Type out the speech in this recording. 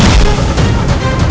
untuk bisa menolong paman